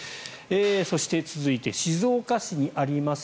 そして、続いて静岡市にあります